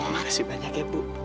terima kasih banyak ya bu